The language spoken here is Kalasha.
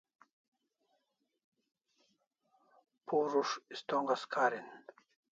Purus' ist'ongas karin